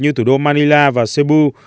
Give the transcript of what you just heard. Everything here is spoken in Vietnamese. như thủ đô manila và cebu